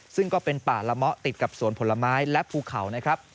ซึ่งก็เป็นป่าละเมาะติดกับสวนผลไม้และภูเขานะครับ